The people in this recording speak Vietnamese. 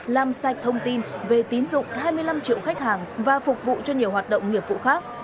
làm sạch thông tin về tín dụng hai mươi năm triệu khách hàng và phục vụ cho nhiều hoạt động nghiệp vụ khác